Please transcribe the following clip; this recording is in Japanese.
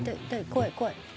怖い怖い！